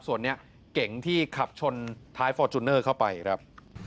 ส่วนนี้เก่งที่ขับชนท้ายฟอร์จูเนอร์เข้าไปครับ